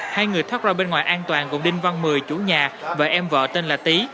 hai người thoát ra bên ngoài an toàn gồm đinh văn mười chú nhà vợ em vợ tên là tí